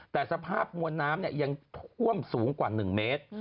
แต่สภาพมวลน้ำยังท่วมสูงกว่า๑เมตร